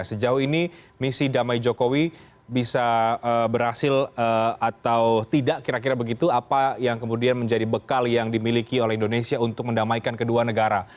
sejauh ini misi damai jokowi bisa berhasil atau tidak kira kira begitu apa yang kemudian menjadi bekal yang dimiliki oleh indonesia untuk mendamaikan kedua negara